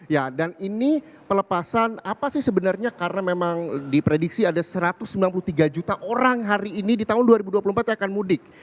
ya dan ini pelepasan apa sih sebenarnya karena memang diprediksi ada satu ratus sembilan puluh tiga juta orang hari ini di tahun dua ribu dua puluh empat yang akan mudik